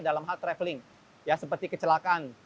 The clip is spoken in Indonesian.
dalam hal traveling ya seperti kecelakaan